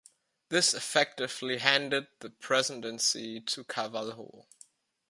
This effectively handed the presidency to Carvalho.